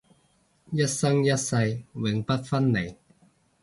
一生一世永不分離